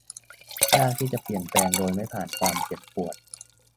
ยากที่จะเปลี่ยนแปลงโดยไม่ผ่านความเจ็บปวด